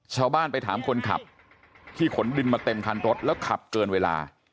ชาวบ้านไปถามคนขับที่ขนดินมาเต็มคันรถแล้วขับเกินเวลา